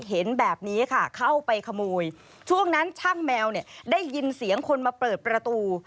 เห็นแบบนี้ค่ะเข้าไปขโมยช่วงนั้นช่างแมวเนี่ยได้ยินเสียงคนมาเปิดประตู